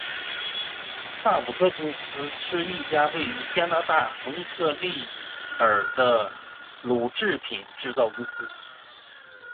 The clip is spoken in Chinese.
萨普托公司是一家位于加拿大蒙特利尔的乳制品制造公司。